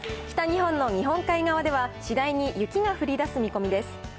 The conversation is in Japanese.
北日本の日本海側では次第に雪が降りだす見込みです。